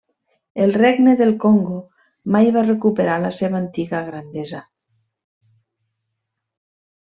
El Regne del Congo mai va recuperar la seva antiga grandesa.